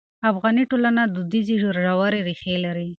افغاني ټولنه دودیزې ژورې ریښې لري.